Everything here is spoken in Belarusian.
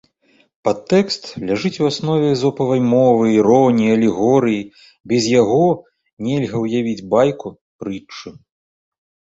Падтэкст ляжыць у аснове эзопавай мовы, іроніі, алегорыі, без яго нельга ўявіць байку, прытчу.